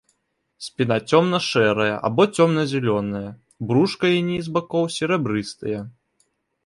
Спіна цёмна-шэрая або цёмна-зялёная, брушка і ніз бакоў серабрыстыя.